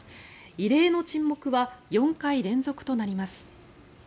異例の沈黙は４回連続となります。